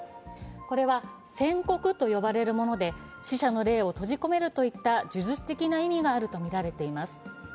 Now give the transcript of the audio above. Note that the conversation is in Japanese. これは線刻と呼ばれるもので、死者の霊を閉じ込めるといった呪術的な意味があるとみられています。